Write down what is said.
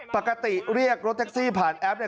ปกติเรียกรถแท็กซี่ผ่านแอปเนี่ย